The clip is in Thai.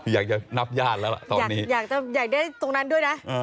อยากจะนับญาติแล้วล่ะตอนนี้อยากจะอยากได้ตรงนั้นด้วยนะ